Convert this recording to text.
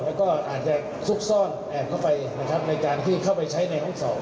แล้วก็อาจจะซุกซ่อนแอบเข้าไปนะครับในการที่เข้าไปใช้ในห้องศร